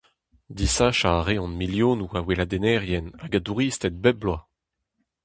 Desachañ a reont milionoù a weladennerien hag a douristed bep bloaz !